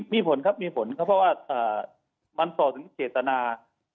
มีผลครับมีผลเพราะว่ามันสอดถึงเจตนา